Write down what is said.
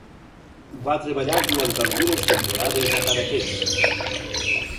Va treballar durant algunes temporades a Cadaqués.